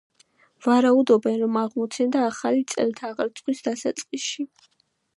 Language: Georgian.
ვარაუდობენ, რომ აღმოცენდა ახალი წელთაღრიცხვის დასაწყისში.